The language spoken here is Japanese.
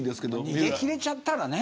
逃げ切れちゃったらね